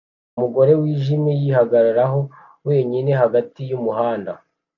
Umugore wijimye yihagararaho wenyine hagati yumuhanda